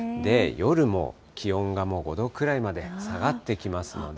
夜も気温がもう５度くらいまで下がってきますので。